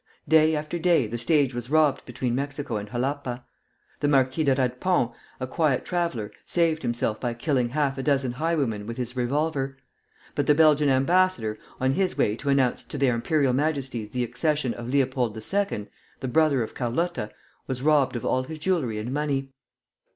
Day after day the stage was robbed between Mexico and Jalapa. The Marquis de Radepont, a quiet traveller, saved himself by killing half a dozen highwaymen with his revolver; but the Belgian ambassador, on his way to announce to their Imperial Majesties the accession of Leopold II., the brother of Carlotta, was robbed of all his jewelry and money.